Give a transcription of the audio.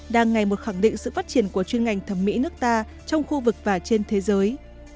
đang ngày một khẳng định sự phát triển của chuyên ngành thẩm mỹ nước ta trong khu vực và trên thế giới